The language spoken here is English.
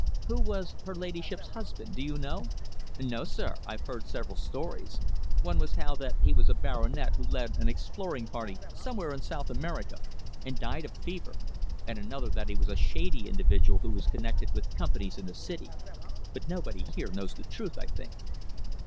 "Who was her ladyship's husband? Do you know?" "No, sir. I've heard several stories. One was how that he was a baronet who led an exploring party somewhere in South America, and died of fever, and another that he was a shady individual who was connected with companies in the City. But nobody here knows the truth, I think."